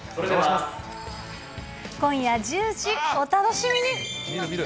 今夜１０時、お楽しみに。